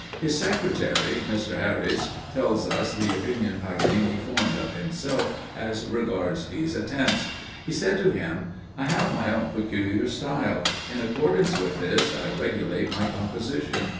His secretary, Mr. Harrys, tells us the opinion Paganini formed of himself as regards these attempts. He said to him, "I have my own peculiar style; in accordance with this, I regulate my composition.